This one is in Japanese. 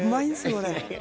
これ。